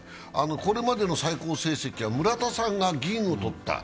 これまでの最高成績は村田さんが銀を取った。